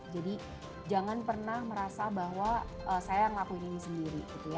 jadi jangan pernah merasa bahwa saya yang ngelakuin ini sendiri